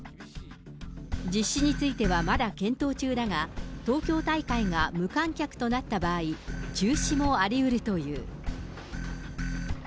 実施についてはまだ検討中だが、東京大会が無観客となった場合、中止もありうるという。